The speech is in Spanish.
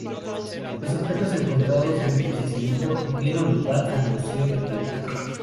Los objetos encontrados en este yacimiento dieron lugar al Museo de Cuenca.